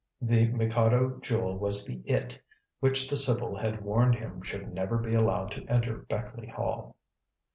The Mikado Jewel was the "It" which the sibyl had warned him should never be allowed to enter Beckleigh Hall.